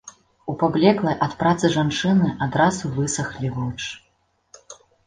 У паблеклай ад працы жанчыны адразу высахлі вочы.